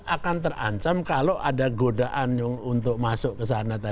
akan terancam kalau ada godaan untuk masuk ke sana